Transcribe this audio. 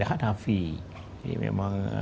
hanafi ini memang